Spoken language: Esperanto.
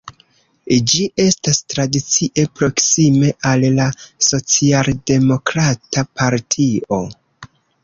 Ĝi estas tradicie proksime al la socialdemokrata partio.